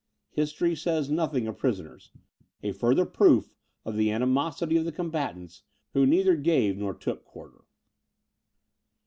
History says nothing of prisoners; a further proof of the animosity of the combatants, who neither gave nor took quarter.